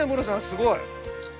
すごい。